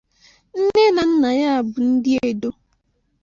Nne na nna ya bụ ndị Edo.